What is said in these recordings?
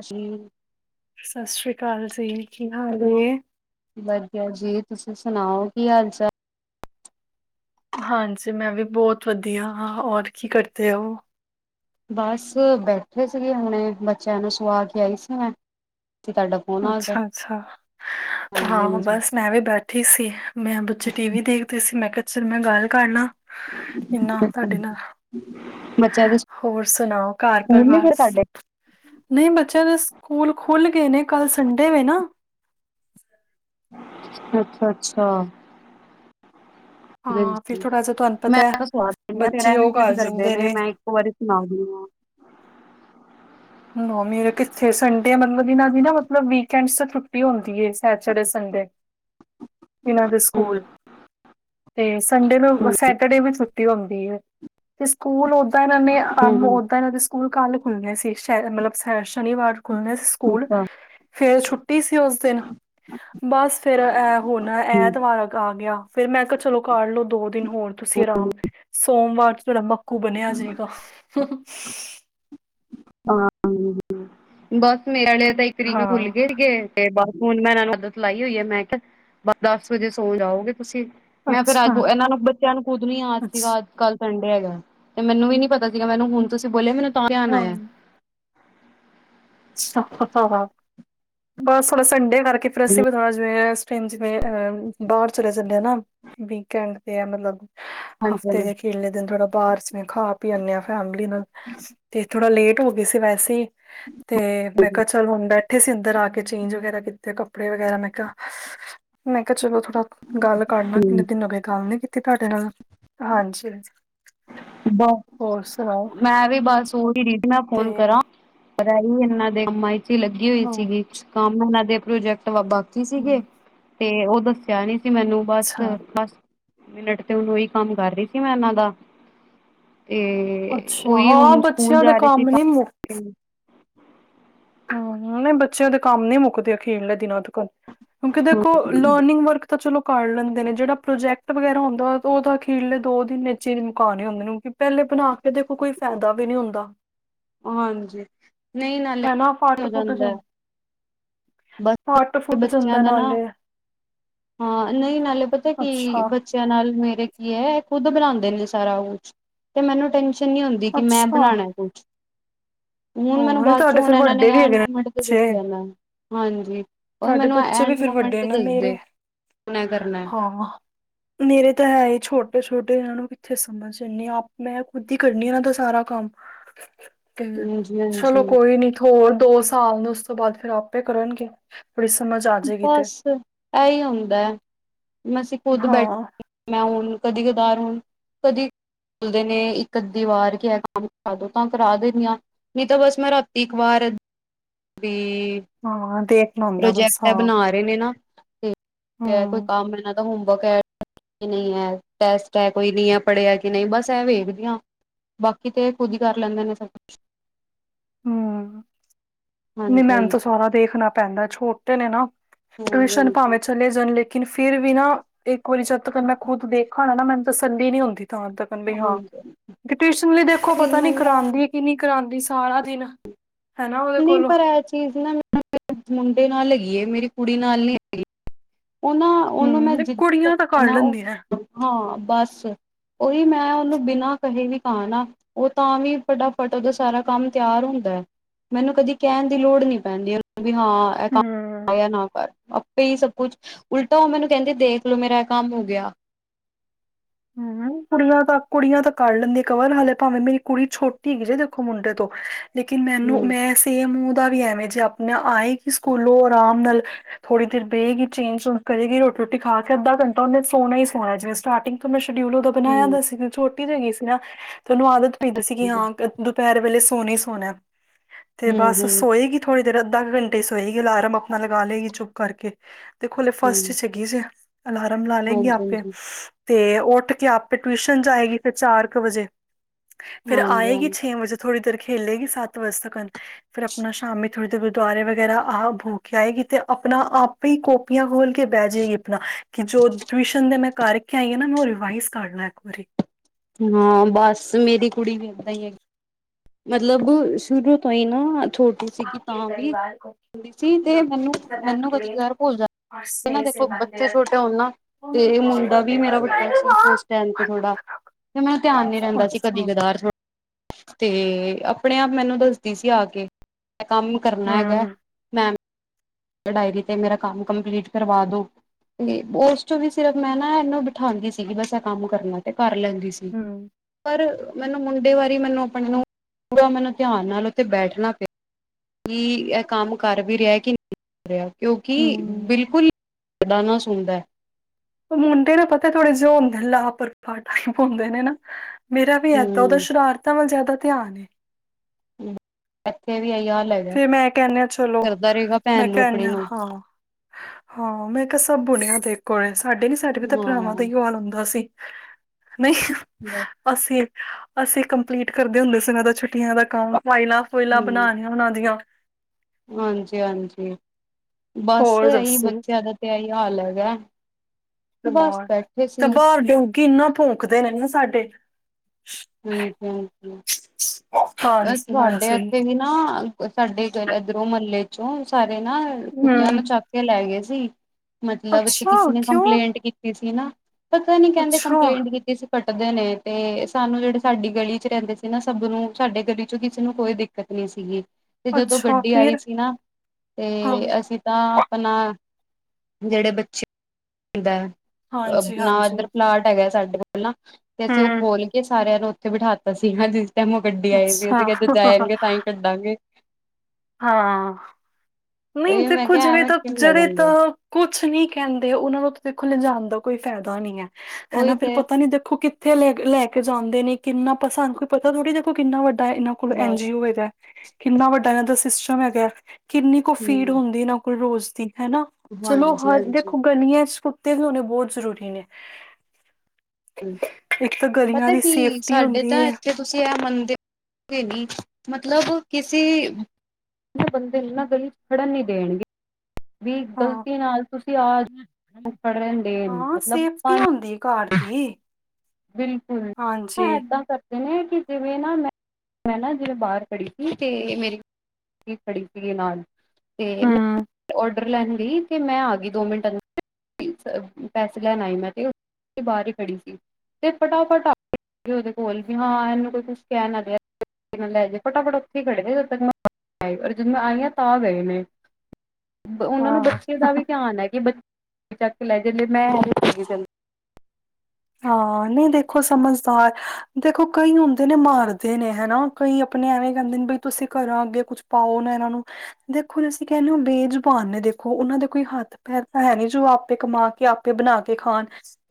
ਅਸ਼ੀ ਸਤਿ ਸ਼੍ਰੀ ਅਕਾਲ ਜੀ, ਕੀ ਹਾਲ ਏ? ਵਧੀਆ ਜੀ, ਤੁਸੀਂ ਸੁਣਾਓ, ਕੀ ਹਾਲ-ਚਾਲ? ਹਾਂਜੀ, ਮੈਂ ਵੀ ਬਹੁਤ ਵਧੀਆ ਹਾਂ, ਔਰ ਕੀ ਕਰਦੇ ਹੋ? ਬਸ, ਬੈਠੇ ਸੀਗੇ ਹੁਣੇ, ਬੱਚਿਆਂ ਨੂੰ ਸੁਆਕੇ ਆਈ ਸੀ ਮੈਂ, ਤੁਹਾਡਾ ਫੋਨ ਆ ਗਿਆ ਅੱਛਾ-ਅੱਛਾ। ਹਾਂਜੀ ਹਾਂ, ਹਾਂਜੀ ਬਸ ਮੈਂ ਵੀ ਬੈਠੀ ਸੀ, ਮੇਰੇ ਬੱਚੇ ਟੀਵੀ ਦੇਖਦੀ ਸੀ, ਮੈਂ ਕਿਆ ਚਲ ਮੈਂ ਗੱਲ ਕਰਲਾ, ਇੰਨਾ ਤੁਹਾਡੇ ਨਾਲ। ਬੱਚਿਆਂ ਦੇ ਹੋਰ ਸੁਣਾਓ, ਸਕੂਲ ਨੀ ਘਰ-ਪਰਿਵਾਰ? ਫਿਰ ਤੁਹਾਡੇ ਨਹੀਂ, ਬੱਚਿਆ ਸਕੂਲ ਖੁੱਲ ਗਏ ਨੇ, ਕੱਲ ਸੰਡੇ ਵੇਨਾ। ਅੱਛਾ-ਅੱਛਾ। ਹਾਂ ਫਿਰ ਹਾਂਜੀ, ਥੋੜਾ ਜਿਹਾ ਤੁਹਾਨੂੰ ਮੈਂ ਪਤਾ ਹੈ ਸਵਾਨ ਬੱਚੇ ਇਹਨੂੰ ਉਹ ਜਿੱਦ ਕਰ ਕਰਦੇ ਜਾਂਦੇ ਨੇ, ਮੈਂ ਵਾਰੀ, ਸੁਣਾਂਦੀ ਆਂ। ਨੋ‌ ਮੇਰਾ ਕਿੱਥੇ, ਸੰਡੇ ਮਤਲਬ, ਇਹਨਾਂ ਦੀਨਾ ਮਤਲਬ ਵੀਕਐਂਡ ਹੁੰਦੀ, ਸੈਚਰਡੇ, ਸੰਡੇ ਇਹਨਾਂ ਦੇ ਸਕੂਲ। ਤੇ ਸੰਡੇ ਨੂੰ, ਹੂੰ ਹੂੰ ਸੈਟਰਡੇ ਵੀ ਛੁੱਟੀ ਹੁੰਦੀ ਏ, ਤੇ ਸਕੂਲ ਤਾਂ ਈ ਨਾ ਮੇਂ, ਹੂੰ ਓਹਦਾਂ ਇਹਨਾਂ ਦੇ ਸਕੂਲ ਕੱਲ ਖੁੱਲਣੇ ਸੀ, ਮਤਲਬ ਸ ਸ਼ਨੀਵਾਰ ਖੁੱਲਣੇ ਸੀ ਸਕੂਲ, ਅੱਛਾ ਫੇਰ ਛੁੱਟੀ ਸੀ ਓਸ ਦਿਨ। ਬਸ ਫੇਿਰ, ਇਹ ਹੁਣ ਐਤਬਾਰ ਆ ਗਿਆ। ਫਿਰ ਮੈਂ ਕਿਹਾ ਚਲੋ ਕਾਰ। ਲੋ ਦੋ ਦਿਨ ਹੋਰ, ਤੁਸੀਂ ਆਰਾਮ ਸੋਮਵਾਰ ਤੁਹਾਡੇ। ਘੂ, ਬਣਿਆ ਸੀਗਾ। ਬਸ, ਮੇਰੇ ਵਾਲੇ ਤਾਂ ਇੱਕ ਤਰੀਕ ਖੁੱਲ ਹਾਂ ਗਈ। ਤੇ ਬਸ, ਹੁਣ ਮੈਂ ਮਦਦ ਲਾਈ ਹੋਈ ਹੈ ਮੈਂ ਕਿਹਾ ਬਸ ਦਸ ਵਜੇ ਸੋ ਜਾਓਗੇ ਤੁਸੀਂ। ਮੈਂ ਫੇਿਰ, ਅੱਛਾ ਆਗੂ ਇਹਨਾਂ ਨੂੰ ਬੱਚਿਆਂ ਨੂੰ ਖੁਦ ਨ ਯਾਦ ਅੱਛਾ ਸੀਗਾ ਅੱਜ ਕੱਲ। ਸੰਡੇ ਹੈਗਾ ਤੇ ਮੈਨੂੰ ਵੀ ਨੀ ਪਤਾ ਸੀਗਾ ਮੈਨੂੰ ਹੁਣ ਤੁਸੀਂ ਬੋਲਿਆ ਮੈਨੂੰ ਤਾਂ ਧਿਆਨ ਆਇਆ। ਅੱਛ, ਬਸ ਥੋੜਾ ਸੰਡੇ ਕਰਕੇ ਫਿਰ ਅਸੀਂ ਬਣਾ ਜਿਵੇਂ। ਜਿਵੇਂ ਅ ਬਾਹਰ ਚਲੇ ਜਾਂਦੇ ਆ ਨਾ ਵੀਕਐਂਡ ਦੇ ਆ ਮਤਲਬ ਹਾਂਜੀ ਹਫਤੇ ਹਾਂਜੀ ਦੇ ਪਲੇ ਦਿਨ ਥੋੜ੍ਹਾ ਬਾਹਰ ਚਵੇਂ ਖਾ ਪੀ ਆਉਂਦੇ ਹਾਂ ਫੈਮਿਲੀ ਨਾਲ ਤੇ ਥੋੜਾ ਲੇਟ ਹੋ ਗਏ ਸੀ ਵੈਸੇ ਹੀ ਤੇ ਮੈਂ ਕਿਹਾ ਚਲ ਹੁਣ ਬੈਠ ਇਥੇ ਸ ਅੰਦਰ ਆ ਕੇ ਚੇਂਜ ਵਗੈਰਾ ਕੀਤੇ ਕੱਪੜੇ ਵਗੈਰਾ ਮੈਂ ਕਿਹਾ ਮੈਂ ਕਿਹਾ ਚਲੋ। ਗੱਲ ਕਰਨਾ ਕਿੰਨੇ ਹੂੰ ਦਿਨ ਹੋ ਗਏ ਗੱਲ ਨੀ ਕੀਤੀ ਤੁਹਾਡੇ ਨਾਲ ਹਾਂਜੀ। ਬ ਹੋਰ ਸੁਣਾਓ ਮੈਂ ਵੀ ਬਸ ਹੋਹੀ ਡੀਦੀ ਨਾਲ ਤੇ ਫੋਨ ਕਰਾਂ। ਪਰ ਇਹਨਾਂ ਦੇ ਕੰਮ ਚ ਹੀ ਲੱਗੀ ਹੋਈ ਹਮ, ਸੀਗੀ ਕੰਮ ਇਹਨਾਂ ਦੇ ਪ੍ਰੋਜੈਕਟ ਵ ਸੀਗੇ ਹਮ, ਤੇ ਉਹ ਦੱਸਿਆ ਨੀ ਸੀ ਮੈਨੂੰ ਅੱਛਾ ਬਸ ਬਸ। ਮਿੰਟ ਤੇ ਹੁਣ ਉਹੀ ਕੰਮ ਕਰ ਰਹੀ ਸੀ ਮੈਂ ਇਹਨਾਂ ਦਾ ਤੇ ਅੱਛਾ ਉਹੀ, ਹਾਂ ਹੁਣ ਸਕੂਲ ਬੱਚਿਆਂ ਦੇ ਜਾ ਰਹੇ ਸੀ ਕੰਮ ਤਾਂ ਨੀ ਮੁੱਕ ਹਮ ਨਹੀਂ ਬੱਚਿਆਂ ਦੇ ਕੰਮ ਨੀ ਮੁੱਕਦੇ ਅਖੀਰਲੇ ਦਿਨਾਂ ਤੋਂ ਕਿਉਂਕਿ ਦੇਖੋ ਲਰਨਿੰਗ ਵਰਕ ਤਾਂ ਚਲੋ ਕਰ ਲੈਂਦੇ ਨੇ ਜਿਹੜਾ ਪ੍ਰੋਜੈਕਟ ਵਗੈਰਾ ਹੁੰਦਾ ਉਹ ਤਾਂ ਅਖੀਰਲੇ ਦੋ ਦਿਨ ਨਚੇ ਮੁਕਾਣੇ ਹੁੰਦੇ ਨੇ। ਪਹਿਲੇ ਬਣਾ ਕੇ, ਦੇਖੋ ਕੋਈ ਫਾਇਦਾ ਵੀ ਨਹੀਂ ਹੁੰਦਾ। ਹਾਂਜੀ। ਨਹੀਂ ਨਾਲੇ ਹੈ, ਫੱਟ ਹੋ ਫੁੱਟ ਜਾਂ। ਜਾਂਦਾ ਬਸ ਫੱਟ ਫੁੱਟ, ਬੱਚਿਆਂ ਜਾਂਦਾ ਦਾ ਨਾ ਨਾਲੇ। ਹਾਂ, ਨਹੀਂ ਨਾਲੇ ਪਤਾ ਕਿ ਅੱਛਾ ਬੱਚਿਆਂ ਨਾਲ ਮੇਰੇ ਕੀ ਹੈ ਇਹ ਖੁੱਦ ਬਣਾਉਂਦੇ ਨੇ ਸਾਰਾ ਤੇ ਮੈਨੂੰ ਟ ਪੁੱ ਨੀ ਹੁੰਦੀ ਕਿ ਮੈਂ ਅੱਛਾ ਬਣਾਉਣਾ ਕੁਛ ਹੁਣ ਮੈਨੂੰ ਹਾਂ ਨਹੀਂ ਬਾਅਦ ਚ ਤੁਹਾਡੇ ਹੁਣ ਫਿਰ ਇਹਨਾਂ ਨੇ ਵੱਡੇ ਵੀ ਐ ਹੈਗੇ ਮੂਮੈਂਟ ਤੇ ਦੱਸ ਬੱਚੇ ਇਹਨਾਂ ਨੇ ਹਾਂਜੀ ਓਹੀ ਤੁਹਾਡੇ ਮੈਨੂੰ ਬੱਚੇ ਵੀ ਐਂਡ ਫਿਰ ਮੂਮੈਂਟ ਵੱਡੇ ਤੇ ਨੇ ਦੱਸਦੇ ਮੇਰੇ ਹੂਨੇ ਕਰਨਾ। ਹਾਂ। ਮੇਰੇ ਤਾਂ ਹੈ ਹੀ ਛੋਟੇ ਛੋਟੇ ਇਹਨਾਂ ਨੂੰ ਕਿੱਥੇ ਸਮਝ ਐਨੀ ਹ ਆਪ ਮੈਂ ਖੁਦ ਹੀ ਕਰਨੀ ਇਹਨਾਂ ਦਾ ਸਾਰਾ ਕੰਮ। ਤੇ। ਹਾਂਜੀ ਚਲੋ ਹਾਂਜੀ ਕੋਈ ਨੀ ਹੋਰ ਦੋ ਸਾਲ ਨੇ ਉਸ ਤੋਂ ਬਾਅਦ ਫਿਰ ਆਪੇ ਕਰਨਗੇ ਬੜੀ ਸਮਝ ਜਾਏਗੀ ਤੇ। ਬਸ ਇਹੀ ਹੁੰਦਾ ਹੈ ਮਸੀਂ ਖੁੱਦ ਹਾਂ, ਬੈਠੇ ਮੈਂ ਹੁਣ ਕਦੀ ਕਦਾਰ ਹੁਣ ਕਦੀ ਬੁਲਦੇ ਨੇ ਇੱਕ ਅੱਧੀ ਵਾਰ ਕਦੋ ਤਾਂ ਕਰਾ ਦੇਦੀਆਂ। ਨਹੀਂ ਤਾਂ ਬਸ ਮੈਂ ਰਾਤੀ ਇੱਕ ਵਾਰ। ਵੀ ਹਾਂ ਦੇਖਣਾ ਹੁੰਦਾ ਬਸ ਪ੍ਰੋਜੈਕਟਾ ਹੈ ਹਾਂ, ਬਣਾ ਰਹੇ ਨੇ ਨਾ ਕੋਈ ਹੂੰ। ਕੰਮ ਹੈ ਨਾ ਤਾਂ ਹੋਮਵਰਕ ਹੈ। ਨਹੀਂ ਹੈ ਟੈਸਟ ਕੋਈ ਨਹੀਂ ਹੈ ਪੜ੍ਹਿਆ ਕਿ ਨਹੀਂ ਬਸ ਇਹ ਵੇਖਦੀ ਹ। ਬਾਕੀ ਤੇ ਖੁਦ ਹੀ ਕਰ ਲੈਂਦੇ ਨੇ ਸਭ ਕੁਛ। ਹਮ ਨ ਹਾਂਜੀ ਮੈਨ ਤੋਂ ਹਾਂਜੀ ਸਾਰਾ ਦੇਖਣਾ ਪੈਂਦਾ ਛੋਟੇ ਨੇ ਨਾ। ਹਾਂਜੀ ਟਿਊਸ਼ਨ ਭਾਵੇਂ ਹਾਂਜੀ ਚਲੇ ਜਾਣ ਲੇਕਿਨ ਫਿਰ ਵੀ ਨਾ। ਇੱਕ ਵਾਰੀ ਜਦ ਤੱਕ ਮੈਂ ਖੁ ਦ ਦੇਖਾ ਨਾ ਮੈਨੂੰ ਤਸੱਲੀ ਨੀ ਹੁੰਦੀ ਤਾਂ ਹਦ ਤੱਕ। ਹਾਂ ਹਾਂਜੀ ਤੇ ਟਿਊਸ਼ਨ ਲਈ ਦੇਖੋ ਚੀਜ਼ ਪਤਾ ਨੀ ਮੈਨੂੰ ਕਰਾਉਂਦੀ ਹੈ ਕਿ ਨਹੀਂ ਕਰਾਉਂਦੀ ਸਾਰਾ ਦਿਨ ਹਨਾ ਉਹਦੇ ਨਹੀਂ ਕੋਲੋਂ ਪਰ ਇਹ ਚੀਜ਼ ਨਾ ਮੇ ਮੁੰਡੇ ਨਾਲ ਹੈਗੀ ਹੈ ਮੇਰੀ ਕੁੜੀ ਨਾਲ ਨਹੀਂ। ਉਹਨਾਂ ਉਹਨੂੰ ਮੈਂ ਹੂੰ, ਜਿੱ ਕੁੜੀਆਂ ਤਾਂ ਕਰ ਲੈਂਦੀਆਂ। ਹਾਂ ਬਸ ਓਹੀ ਮੈਂ ਉਹਨੂੰ ਬਿਨਾਂ ਕਹੇ ਵੀ ਕ ਨਾ। ਉਹ ਤਾਂ ਵੀ ਫਟਾਫਟ ਉਹਦਾ ਸਾਰਾ ਕੰਮ ਤਿਆਰ ਹੁੰਦਾ ਹੈ। ਮੈਨੂੰ ਕਦੀ ਕਹਿਣ ਦੀ ਲੋੜ ਨੀ ਪੈਂਦੀ ਉਹ ਵੀ ਹਾਂ ਹੂੰ। ਨਾ ਕਰ ਆਪੇ ਹੀ ਸਭ। ਕੁੱਝ ਉਲਟਾ ਉਹ ਮੈਨੂੰ ਕਹਿੰਦੇ, ਦੇਖਲੋ ਮੇਰਾ ਕੰਮ ਹੋ ਗਿਆ। ਹੂੰ-ਹੂੰ। ਕੁੜੀਆਂ ਤਾਂ ਕੁੜੀਆਂ ਤਾਂ ਕਰ ਲੈਂਦੀ ਕਵਰ, ਹਾਲੇ ਭਾਵੇਂ ਮੇਰੀ ਕੁੜੀ ਛੋਟੀ ਜੇ ਦੇਖੋ ਮੁੰਡੇ ਤੋਂ। ਲੇਕਿਨ ਹੂੰ ਮੈਨੂੰ ਮੈਂ ਸੇਮ ਉਹਦਾ ਵੀ, ਐਵੇਂ ਜੇ ਆਪਣਾ ਆਏ ਕਿ ਸਕੂਲੋਂ ਆਰਾਮ ਨਾਲ ਥੋੜ੍ਹੀ ਦੇਰ ਬਹੇ ਗੀ, ਚੇਂਜ ਚੂੰਜ ਕਰੇਗੀ, ਰੋਟੀ ਰੁਟੀ ਖਾ ਕੇ ਅੱਧਾ ਘੰਟਾ ਉਹਨੇ ਸੋਣਾ ਹੀ ਸੋਣਾ, ਜਿਵੇ ਸਟਾਟਿੰਗ ਮੈਂ ਸ਼ਡਿਊਲ ਉਹਦਾ ਬਣਾਇਆ ਹੂੰ ਦਾ ਸੀਗਾ, ਛੋਟੀ ਜੀ ਹੈਗੀ ਸੀ ਨਾ, ਤੇ ਉਹਨੂੰ ਆਦਤ ਪੈਗੀ ਸੀ ਕਿ ਹਾਂ ਦੁਪਹਿਰ ਵੇਲੇ ਸੋਣਾ ਹੀ ਸੋਣਾ, ਤੇ ਹੂੰ ਬਸ ਹੂੰ ਸੋਏ ਗੀ। ਥੋੜੀ ਦੇਰ ਅੱਧਾ ਘੰਟੇ ਹੀ ਸੋਏਗੀ, ਅਲਾਰਮ ਆਪਣਾ ਲਗਾ ਲਏਗੀ ਚੁਪ ਕਰਕੇ। ਤੇ ਖੁਲੇ ਫਸਟ ਹੂੰ ਚ ਹੈਗੀ ਸੀ, ਅਲਾਰਮ ਲਾ ਲੇਗੀ ਹਾਂਜੀ ਆਪੇ। ਹਾਂਜੀ ਤੇ ਉੱਠ ਕੇ ਆਪੇ ਟੂਸ਼ਨ ਜਾਏਗੀ ਫਿਰ ਚਾਰ ਕੁ ਵਜੇ, ਫੇਰ ਹਾਂਜੀ ਆਏਗੀ ਹਾਂਜੀ ਛੇ ਵਜੇ। ਥੋੜ੍ਹੀ ਦੇਰ ਖੇਲੇਗੀ ਸੱਤ ਵਜੇ ਤੱਕਨ। ਫੇਰ ਆਪਣਾ ਸ਼ਾਮੀ ਥੋੜ੍ਹੀ ਦੇਰ ਗੁਰਦੁਆਰੇ ਵਗੈਰਾ ਆ ਬੋ ਕੇ ਆਏਗੀ, ਤੇ ਆਪਣਾ ਆਪ ਈ ਕੋੋਪੀਆਂ ਖੋਲ ਕੇ ਬਹਿ ਜੇਗੀ ਆਪਣਾ, ਕਿ ਜੋ ਟਿਊਸ਼ਨ ਤੇ ਮੈਂ ਕਰ ਕੇ ਮੈਂ ਆਈ ਆ ਨਾ, ਮੈਂ ਉਹ ਰਿਵਾਈਸ ਕਰਲਾ ਇੱਕ ਵਾਰੀ। ਹਾਂ, ਬਸ ਮੇਰੀ ਕੁੜੀ ਵੀ ਏਦਾਂ ਈ ਹੈਗੀ। ਮਤਲਬ ਸ਼ੁਰੂ ਤੋਂ ਹੀ ਨਾ ਛੋਟੀ ਸੀਗੀ ਤਾਂ ਵੀ ਹੁੰਦੀ ਸੀ, ਤੇ ਮੈਨੂੰ- ਮੈਨੂੰ ਕਦੀ ਕਦਾਰ ਭੁੱਲ ਜਾਂ ਤੇ ਨਾ ਦੇਖੋ, ਬੱਚੇ ਛੋਟੇ ਹੋਣ ਨਾ ਤੇ ਮੁੰਡਾ ਵੀ ਮੇਰਾ ਵੱਡਾ ਸੀ ਉਸ ਟਾਈਮ ਤੇ ਥੋੜਾ, ਤੇ ਮੈਨੂੰ ਧਿਆਨ ਨੀ ਰਹਿੰਦਾ ਸੀ, ਅੱਛਾ ਕਦੀ ਹੂੰ ਕਦਾ ਤੇ ਆਪਣੇ ਆਪ ਮੈਨੂੰ ਦੱਸਦੀ ਸੀ ਆ ਕੇ, ਮੈਂ ਕੰਮ ਕਰਨਾ ਹੈਗਾ। ਮੈਮ ਡਾਇਰੀ ਤੇ ਮੇਰਾ ਕੰਮ ਕੰਪਲੀਟ ਕਰਵਾ ਦੋ। ਉਸ ਚ ਵੀ ਸਿਰਫ ਮੈਂ ਨਾ ਇਹਨੂੰ ਬਿਠਾਂਦੀ ਸੀਗੀ, ਬਸ ਇਹ ਕੰਮ ਕਰਨਾ, ਤੇ ਕਰ ਲੈਂਦੀ ਸੀ। ਹੂੰ ਪਰ ਮੈਨੂੰ ਮੁੰਡੇ ਵਾਰੀ ਮੈਨੂੰ ਆਪਣੇ ਨੂੰ, ਪੂਰਾ ਮੈਨੂੰ ਧਿਆਨ ਨਾਲ ਉੱਥੇ ਬੈਠਣਾ ਪਿਆ। ਕੀ ਇਹ ਕੰਮ ਕਰ ਵੀ ਰਿਹਾ, ਕਿ ਨਹੀਂ ਕਰ ਰਿਹਾ, ਕਿਉਂਕਿ ਹੂੰ ਬਿਲਕੁਲ ਵੱਡਾ ਨਾ ਸੁਣਦਾ। ਉਹ ਮੁੰਡੇ ਨਾ ਪਤਾ ਥੋੜੇ ਜੇ ਉਹ ਹੁੰਦੇ ਨਾ, ਲਾਪਰਵਾਹ ਟਾਈਪ ਹੁੰਦੇ ਨੇ ਨਾ। ਮੇਰਾ ਵੀ ਏਦਾਂ ਦਾ, ਹਮ ਸ਼ਰਾਰਤਾਂ ਵੱਲ ਜ਼ਿਆਦਾ ਧਿਆਨ ਏ। ਇੱਥੇ ਵੀ ਆਈ ਹਾਲ ਐ। ਫੇਰ ਮੈਂ ਕਹਿੰਨੀ ਆ ਚਲੋ, ਮੈਂ ਨੂੰ ਕਹਿ ਆਈ ਆਪਣੀ ਆਂ ਨੂੰ। ਹਾਂ। ਹਾਂ, ਮੈਂ ਕਿਹਾ ਸਭ ਬੁਣਿਆ ਦੇਖ ਕੋਲ ਸਾਡੇ ਨੀ ਸਾਡੇ ਵੀ ਤਾਂ ਭਰਾਵਾਂ ਦਾ ਹਾਂ ਇਹੀਓ ਹਾਲ ਹੁੰਦਾ ਸੀ, ਨਹੀਂ। ਬਸ ਅਸੀਂ- ਅਸੀਂ ਕੰਪਲੀਟ ਕਰਦੇ ਹੁੰਦੇ ਸੀ ਉਹਨਾਂ ਦਾ ਛੁੱਟੀਆਂ ਦਾ ਕੰਮ, ਫਾਈਲਾਂ ਫੂਇਲਾਂ ਬਣਾਣੀਆਂ। ਉਹਨਾਂ ਦੀਆਂ ਹਾਂਜੀ ਹਾਂਜੀ, ਬਸ ਹੋਰ ਇਹੀ ਦੱਸੋ ਬੱਚਿਆਂ ਦਾ ਤੇ ਇਹੀ ਹਾਲ ਹੈਗਾ ਐ। ਤਾਂ ਬਾਹਰ ਡਿਊ ਕਿੰਨਾ ਭੋਂਕਦੇ ਨੇ ਨਾ ਸਾਡੇ ਹੂੰ-ਹੂੰ, ਹਾਂਜੀ ਤੁਹਾਡੇ ਇੱਥੇ ਹੀ ਨਾ, ਸਾਡੇ ਇਧਰੋਂ ਮਹੱਲੇ ਚੋਂ ਸਾਰੇ ਨਾ ਕੁੱਤਿਆਂ ਹੂੰ ਨੂੰ ਚਾ ਲੈ ਗਏ ਸੀ, ਮਤਲਬ ਤੇ ਅੱਛਾ ਕਿਸੇ ਨੇ ਕਿਉਂ ਕੰਪਲੇਂਟ ਕੀਤੀ ਸੀ ਨਾ। ਪਤਾ ਨੀ ਕਹਿੰਦੇ ਅੱਛਾ ਕੰਪਲੇਂਟ ਕੀਤੀ ਸੀ, ਕੱਟਦੇ ਨੇ ਤੇ ਸਾਨੂੰ ਜਿਹੜੇ ਸਾਡੀ ਗਲੀ ਚ ਰਹਿੰਦੇ ਸੀ ਨਾ, ਸਭ ਨੂੰ ਸਾਡੇ ਗਲੀ ਚ ਕਿਸੇ ਨੂੰ ਕੋਈ ਦਿੱਕਤ ਨੀ ਸੀਗੀ। ਤੇ ਜਦੋਂ ਅੱਛਾ ਗੱਡੀ ਫੇਰ ਆਈ ਸੀ ਨਾ, ਤੇ ਹਾਂ, ਅਸੀਂ ਤਾਂ ਆਪਣਾ ਜਿਹੜੇ ਬੱਚੇ ਹੁੰਦਾ, ਨਾ ਹਾਂਜੀ-ਹਾਂਜੀ। ਇੱਧਰ ਪਲਾਟ ਹੈਗਾ ਸਾਡੇ ਕੋਲ ਨਾ, ਤੇ ਅਸੀਂ ਉਹ ਹੂੰ, ਖੋਲ ਕੇ ਸਾਰਿਆਂ ਨੂੰ ਉੱਥੇ ਬਿਠਾਤਾ ਸੀ, ਹਾਂਜੀ ਜਿਸ ਟੈਮ ਉਹ ਗੱਡੀ ਆਏ, ਫੇਰ ਅਸੀਂ ਅੱਛਾ ਕਹਿਤਾ ਜਾਏ ਆਣਗੇ ਤਾਂਹੀ ਕੱਢਾਂਗੇ। ਹਾਂ, ਨਹੀਂ ਉਹੀ ਮੈਂ ਦੇਖੋ ਕਿਹਾ ਜਿਹੜੇ ਐਵੇਂ ਤਾਂ ਕਿਵੇਂ ਲੈ ਜਿਹੜੇ ਤਾਂ ਜਾਣਗੇ ਕੁਛ ਨੀ ਕਹਿੰਦੇ, ਉਹਨਾਂ ਨੂੰ ਤਾਂ ਦੇਖੋ ਲਿਜਾਣ ਦਾ ਕੋਈ ਫਾਇਦਾ ਨਹੀਂ ਐ, ਹਨਾ ਉਹੀ ਫਿਰ ਤੇ ਪਤਾ ਨੀ ਦੇਖੋ ਕਿ ਇੱਥੇ ਲੈ-ਲੈ ਕੇ ਜਾਂਦੇ ਨੇ, ਕਿੰਨਾ ਪਤਾ ਸਾਨੂੰ ਕੋਈ ਪਤਾ ਥੋੜ੍ਹੀ ਦੇਖੋ, ਕਿੰਨਾ ਵੱਡਾ ਇਹਨਾਂ ਕੋਲ ਐਨ ਬਸ ਜੀ ਓ ਹੈਗਾ। ਕਿੰਨਾ ਵੱਡਾ ਇਹਨਾਂ ਦਾ ਸਿਸਟਮ ਹੈਗਾ, ਕਿੰਨੀ ਕੁ ਫੀਡ ਹਮ ਹੁੰਦੀ ਇਹਨਾਂ ਕੋਲ ਰੋਜ਼ ਦੀ, ਹਨਾ। ਚਲੋ, ਹਾਂਜੀ ਹਰ ਹਾਂਜੀ ਦੇਖੋ ਗਲੀਆਂ ਇਸ ਕੁੱਤੇ ਵੀ ਹੋਣੇ ਬਹੁਤ ਜ਼ਰੂਰੀ ਨੇ। ਇੱਕ ਤਾਂ ਗਲੀਆਂ ਪਤਾ ਦੀ ਕੀ ਸੇਫਟੀ ਸਾਡੇ ਹੁੰਦੀ ਤਾਂ ਏ। ਇੱਥੇ ਤੁਸੀਂ ਇਹ ਮੰਨਦੇ ਹੋਗੇ ਨੀ ਮਤਲਬ ਕਿਸੇ ਬੰਦੇ ਨੂ ਨਾ ਗਲੀ ਚ ਖੜਨ ਨੀ ਦੇਣਗੇ। ਵੀ ਗ਼ਲਤੀ ਨਾਲ ਤੁਸੀਂ ਆ ਹਾਂਜੀ। ਹਾਂ ਜਾਓ ਖੜਨ ਦੇਣ ਹਾਂ ਮਤਲਬ ਸੇਫਟੀ ਪੰਜ ਹੁੰਦੀ ਘ ਤੇ। ਬਿਲਕੁਲ ਹ ਏਦਾਂ ਕਰ ਕਿ ਜਿਵੇਂ ਨਾ ਮੈਂ ਮੈਂ ਨਾ ਜਿਵੇਂ ਬਾਹਰ ਖੜ੍ਹੀ ਸੀ ਤੇ ਮੇਰੀ ਖੜੀ ਸੀਗੀ ਨਾਲ ਤੇ ਮ ਹੂੰ, ਡਰ ਲੈਣ ਲਈ ਤੇ ਮੈਂ ਆ ਗਈ ਦੋ ਮਿੰਟ ਅੰਦਰ। ਪੈਸੇ ਲੈਣ ਆਏ ਮੈਂ ਤੇ ਬਾਹਰ ਹੀ ਖੜੀ ਸੀ। ਤੇ ਫਟਾਫਟ ਉਹਦੇ ਕੋਲ ਵੀ ਹਾਂ ਇਹਨੂੰ ਕੋਈ ਕੁਛ ਕਹਿਣ ਨਾ ਲੈ ਜੇ ਫਟਾਫਟ ਉੱਥੇ ਖੜੇ ਜਦੋਂ ਮੈਂ ਆਈ ਅ ਜਦੋਂ ਮੈਂ ਆਈ ਤਾਂ ਗਏ ਨੇ। ਉਹਨਾਂ ਨੂੰ ਹਾਂ ਬੱਚੇ ਦਾ ਵੀ ਧਿਆਨ ਹੈ ਕਿ ਬ ਚੱਕ ਲੈ ਜ ਮੈਂ ਹਾਂ ਨਹੀਂ ਦੇਖੋ ਸਮਝਦਾਰ ਦੇਖੋ ਕਈ ਹੁੰਦੇ ਨੇ ਮਾਰਦੇ ਨੇ ਹਨਾ। ਕਈ ਆਪਣੇ ਐਵੇਂ ਕਹਿੰਦੇ ਨੇ ਬ ਤੁਸੀਂ ਘਰੋਂ ਅੱਗੇ ਕੁਛ ਪਾਓ ਨਾ ਇਹਨਾਂ ਨੂੰ। ਦੇਖੋ ਜ ਅਸੀਂ ਕਹਿੰਦੇ ਹੋ ਬੇਜੁਬਾਨ ਨੇ ਦੇਖੋ ਉਹਨਾਂ ਦੇ ਕੋਈ ਹੱਥ ਪੈ ਤਾਂ ਹੈ ਨੀ ਜੋ ਆਪੇ ਕਮਾ ਕੇ ਆਪੇ ਬਣਾ ਕੇ ਖਾਣ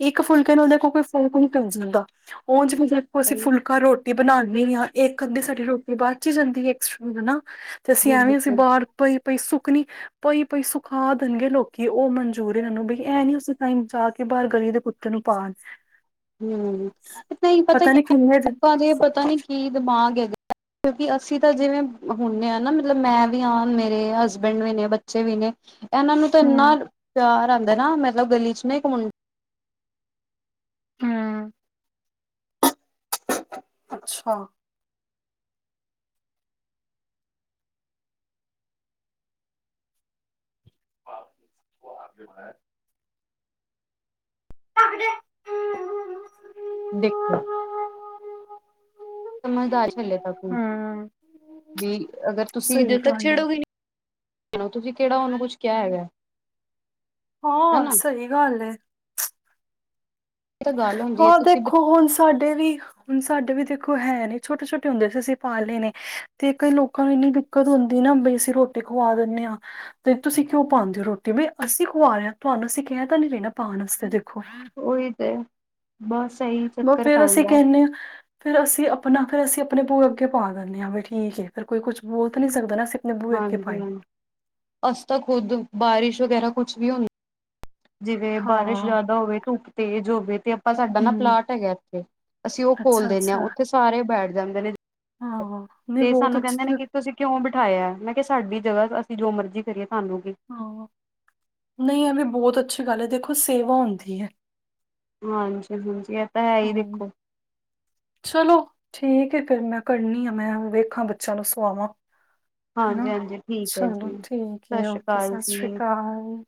ਇੱਕ ਫੁਲਕੇ ਨੂੰ ਉਹਦੇ ਕੋਈ ਫੁਲ ਪ ਜਾਂਦਾ ਉਝਿਵੇ ਕੋ ਅਸੀਂ ਚੱਲ ਫੁਲਕਾ ਰੋ ਟੀ ਬਣਾਉਂਦੇ ਹਾਂ ਇੱਕ ਅੱਧੀ ਸਾਡੀ ਰੋਟੀ ਬਾਅਦ ਚ ਹੀ ਜਾਂਦੀਸਟ ਹਨਾ ਤੇ ਅਸੀਂ ਐਵੇਂ ਅਸੀਂ ਬਿਲਕੁਲ ਬਾਹਰ ਪਈ ਪਈ ਸੁੱਕਨੀ ਭਾਈ ਭਾਈ ਸੁਖਾ ਦੇਣਗੇ ਲੋਕੀ ਉਹ ਮਨਜੂੂਰ ਇਹ ਨੂੰ ਬਈ ਇਹਂ ਨੀ ਉਸ ਟਾਈਮ ਜਾ ਕੇ ਬਾਹਰ ਗਲੀ ਦੇ ਕੁੱਤੇ ਤਨੂੰ ਪਾ ਹੁ ਪਤਾ ਨੀ ਕਿੰਨੇ ਦਿਨ ਲੋਕਾਂ ਦੇ ਪਤਾ ਨੀ ਕੀ ਦਿਮਾਗ ਹੈ। ਕਿਉਂਕਿ ਅਸੀਂ ਤਾਂ ਜਿਵੇਂ ਹੁੰਦੇ ਹਾਂ ਨਾ ਮਤਲਬ ਮੈਂ ਵੀ ਹਾਂ ਮੇਰੇ ਹਸਬੈਂਡ ਵੀ ਨੇ ਬੱਚੇ ਵੀ ਨੇ। ਇਹਨਾਂ ਨੂੰ ਤਾਂ ਇੰਨਾ ਹੂੰ, ਪਿਆਰ ਆਂਦਾ ਨਾ ਮਤਲਬ ਗਲੀ ਚ ਨਾ ਕ ਮੁੰਡ ਹੁ। ਅੱਛਾ। ਉਹ ਆਪ ਹਮ ਦੇਖੋ। ਸਮਝਦਾਰ ਹਲੇ ਤੱਕ ਵੀ ਹੂੰ। ਵੀ ਅਗਰ ਸਹੀ ਤੁਸੀਂਧਰ ਤੱਕ ਗੱਲ ਐ। ਛੇੜੋਗੇ ਨਹੀਂ। ਤੁਸੀਂ ਕਿਹੜਾ ਉਹਨੂੰ ਕੁਛ ਕਿਹਾ ਹੈਗਾ ਹਨਾ। ਗਲ ਹੈ। ਇਹ ਤਾਂ ਗੱਲ ਹੁੰਦੀ ਹੈ ਹਾਂ ਤੁਸੀਂ ਦੇਖੋ ਹੁਣ ਸਾਡੇ ਵੀ ਹੁਣ ਸਾਡੇ ਵੀ ਦੇਖੋ ਹੈ ਨ ਛੋਟੇ ਛੋਟੇ ਹੁੰਦੇ ਸੀ ਅਸੀਂ ਪਾ ਲਏ ਨੇ ਤੇ ਕਈ ਲੋਕਾਂ ਨੂੰ ਇੰਨੀ ਕਦੋਂ ਹੁੰਦੀ ਨਾਈ ਅਸੀਂ ਰੋਟੀ ਖੁਵਾ ਦਿੰਦੇ ਹਾਂ। ਤੇ ਤੁਸੀਂ ਕਿਉਂ ਪਾਉਂਦੇ ਹੋ ਰੋਟੀ ਬ ਅਸੀਂ ਖਵਾ ਰਹੇ ਹਾਂ ਤੁਹਾਨੂੰ ਅਸੀਂ ਕਹਿ ਤਾਂ ਨੀ ਰਹਿਣਾ ਪਾਉਣ ਵਾਸਤੇ ਦੇਖੋ। ਉਹੀ ਤੇ ਬਸ। ਇਹੀ ਬ ਚੱਕਰ ਫੇਰ ਅਸੀਂ ਪੈਂਦਾ ਕਹਿੰਦੇ ਹਾਂ। ਫੇਿਰ ਅਸੀਂ ਆਪਣਾ ਫਿਰ ਅਸੀਂ ਆਪਣੇ ਪੋ ਅੱਗੇ ਪਾ ਦਿੰਦੇ ਹਾਂ ਵੀ ਠੀਕ ਫਿਰ ਕੋਈ ਕੁੱਛ ਬੋਲ ਤਾਂ ਨ ਨਹੀਂ ਸਕਦਾ ਨਾ ਅਸੀਂ। ਆਪਣੇ ਬੂਹੇ ਅੱਗੇ ਹਾਂਜੀ ਪਾਈ ਹਾਂਜੀ ਅਸ ਤਾਂ ਖੁਦ ਬਾਰਿਸ਼ ਵਗੈਰਾ ਕੁਛ ਵੀ ਹੁੰਦਾ। ਜਿਵੇਂ ਬਾਰਿਸ਼ ਹਾਂ, ਜ਼ਿਆਦਾ ਹੋਵੇ ਧੁੱਪ ਤੇਜ਼ ਹੋਵੇ ਤੇ ਆਪਾਂ ਸਾਡਾ ਨਾ ਹੂੰ। ਪਲਾਟ ਹੈਗਾ ਇੱਥੇ ਅਸੀਂ ਉਹ ਖੋਲ ਦਿੰਦੇ ਹਾਂ ਉੱਥੇ ਸਾਰੇ ਬੈਠ ਜਾਂਦੇ ਨੇ। ਤੇ ਸਾਨੂੰ ਕਹਿੰਦੇ ਨੇ ਕਿ ਤੁਸੀਂ ਕਿਉਂ ਬਿਠਾਇਆ ਮੈਂ ਕਿਹਾ ਸਾਡੀ ਜਗ੍ਹਾ ਅਸੀਂ ਜੋ ਮਰਜ਼ੀ ਕਰੀਏ ਤੁਹਾਨੂੰ ਕਿ। ਹਾਂ ਨਹੀਂ ਇਹ ਵੀ ਬਹੁਤ ਅੱਛੀ ਗੱਲ ਹੈ ਦੇਖੋ ਸੇਵਾ ਹੁੰਦੀ ਹੈ। ਹਾਂਜੀ ਹਾਂਜੀ। ਤਾਂ ਹੈ ਹੀ ਹਾਂ। ਦੇਖੋ ਚਲੋ ਠੀਕ ਹੈ ਫਿਰ ਮੈਂ ਕਰਨੀ ਆ ਮੈਂ ਵੇਖਾਂ ਬੱਚਿਆਂ ਨੂੰ ਸਵਾਵਾਂ। ਹੈ ਹਾਂਜੀ ਹਾਂਜੀ ਠੀਕ ਹੈ ਚਲੋ ਜੀ ਠੀਕ ਸਤਿ ਹੈ ਸ਼੍ਰੀ ਓਕੇ ਅਕਾਲ ਸਤਿ ਸ਼੍ਰੀ ਜੀ ਅਕਾਲ।